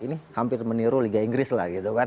ini hampir meniru liga inggris lah